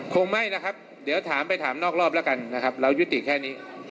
คงไม่นะครับเดี๋ยวถามไปถามนอกรอบแล้วกันนะครับเรายุติแค่นี้